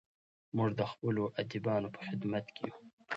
موږ د خپلو ادیبانو په خدمت کې یو.